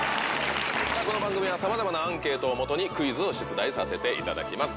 この番組はさまざまなアンケートを基にクイズを出題させていただきます。